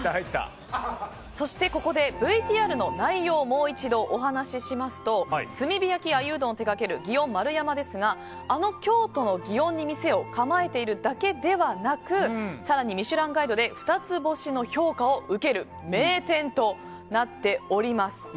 そして、ここでＶＴＲの内容をもう一度お話ししますと炭火焼鮎うどんを手掛ける祇園丸山ですがあの京都の祇園に店を構えているだけではなく更に「ミシュランガイド」で二つ星の評価を受ける名店となっております。